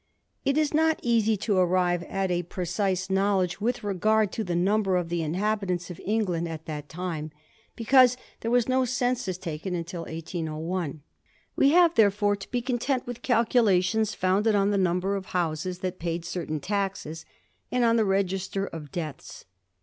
It is not easy to arrive at a precise knowledge with regard to the number of the inhabitants of England at that time, because there was no census taken until 1801. We Tiave, therefore, to be content with calculations founded on the number of houses that paid certain taxes, and on the register of deaths.